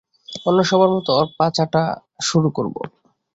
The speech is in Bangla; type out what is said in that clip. অন্য সবার মতো ওর পা চাটা শুরু করব?